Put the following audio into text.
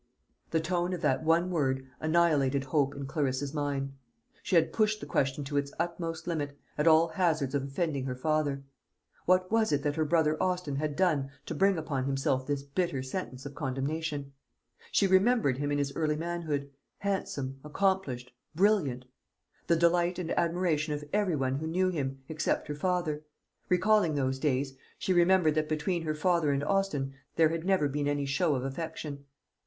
The tone of that one word annihilated hope in Clarissa's mind. She had pushed the question to its utmost limit, at all hazards of offending her father. What was it that her brother Austin had done to bring upon himself this bitter sentence of condemnation? She remembered him in his early manhood, handsome, accomplished, brilliant; the delight and admiration of every one who knew him, except her father. Recalling those days, she remembered that between her father and Austin there had never been any show of affection.